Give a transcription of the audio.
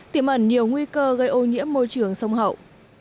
tiềm ẩn nhiều nguy cơ gây ô nhiễm môi trường sông hậu